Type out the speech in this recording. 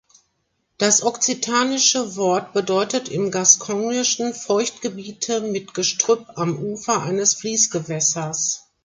Das okzitanische Wort bedeutet im Gascognischen Feuchtgebiete mit Gestrüpp am Ufer eines Fließgewässers.